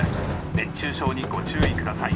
熱中症にご注意ください